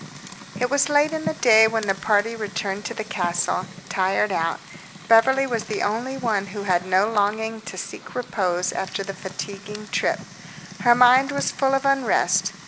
It was late in the day when the party returned to the castle, tired out. Beverly was the only one who had no longing to seek repose after the fatiguing trip. Her mind was full of unrest.